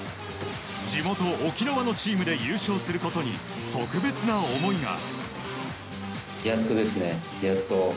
地元・沖縄のチームで優勝することに特別な思いが。